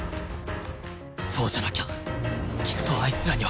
そうじゃなきゃきっとあいつらには勝てない。